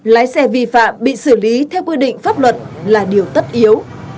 lái xe vi phạm bị xử lý theo quy định pháp luật là điều tất yếu